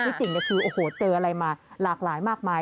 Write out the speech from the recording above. พิจิกษ์คือเจออะไรมาหลากหลายมากมาย